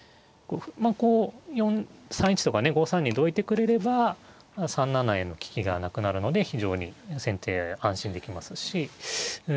まあこう３一とかね５三にどいてくれれば３七への利きがなくなるので非常に先手安心できますし。